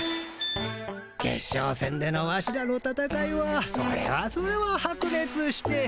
決勝戦でのワシらのたたかいはそれはそれは白熱して。